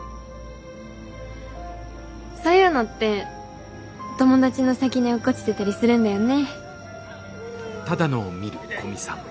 そういうのって友達の先に落っこちてたりするんだよね。